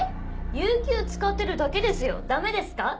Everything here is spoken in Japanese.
有給使ってるだけですよダメですか？